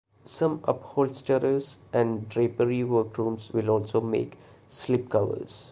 Some upholsterers and drapery workrooms will also make slipcovers.